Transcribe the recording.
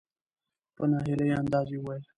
په نا هیلي انداز یې وویل .